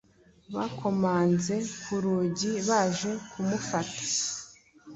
Bakomanze ku rugi baje kumufata.